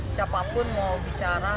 siapapun mau bicara